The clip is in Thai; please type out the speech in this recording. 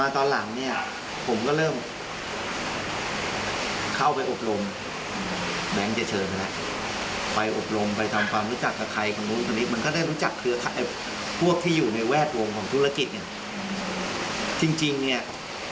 เขาไม่ได้ให้เงินเราอย่างเดียว